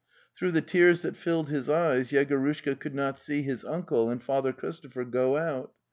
Through the tears that filled his eyes Yegorushka could not see his uncle and Father Christopher go out.